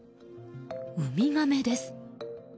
ウミガメです。